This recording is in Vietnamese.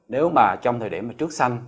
nếu mà trong thời điểm trước sanh